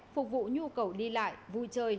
phục vụ nhu cầu đi lại vui chơi